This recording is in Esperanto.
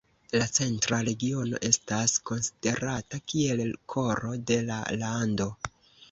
La centra regiono estas konsiderata kiel koro de la lando.